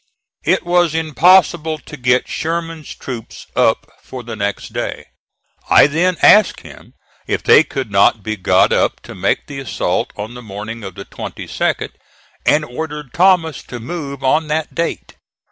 It was impossible to get Sherman's troops up for the next day. I then asked him if they could not be got up to make the assault on the morning of the 22d, and ordered Thomas to move on that date.